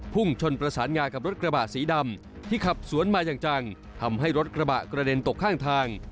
พุ่งชนประสานงากับรถกระบะสีดำที่ขับสวนมาอย่างจังทำให้รถกระบะกระเด็นตกข้างทาง